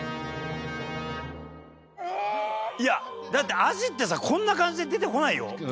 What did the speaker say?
いやだってアジってさこんな感じで出てこないよ。